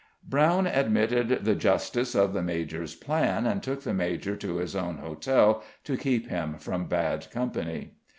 Brown admitted the justice of the major's plan, and took the major to his own hotel to keep him from bad company.